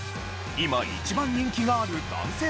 今一番人気がある男性